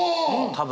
多分。